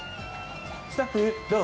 スタッフ、どう？